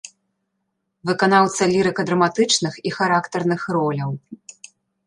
Выканаўца лірыка-драматычных і характарных роляў.